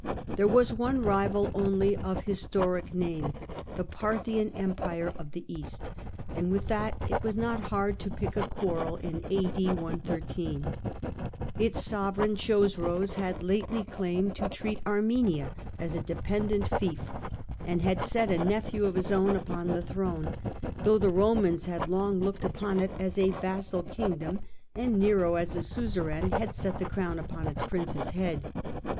There was one rival only of historic name, the Parthian empire of the east, and with that it was not hard to pick a quarrel. Its sovereign Chosroes had lately claimed to treat Armenia as a dependent fief, and had set a nephew of his own upon the throne, though the Romans had long looked upon it as a vassal kingdom, and Nero as a suzerain had set the crown upon its princess head.